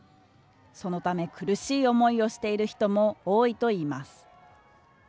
そのため、苦しい思いをしている人も多いといいます。